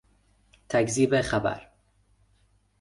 تکذیب خبر